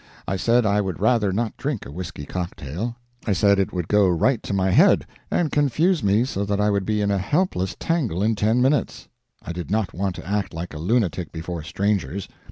I said I would rather not drink a whisky cocktail. I said it would go right to my head, and confuse me so that I would be in a helpless tangle in ten minutes. I did not want to act like a lunatic before strangers.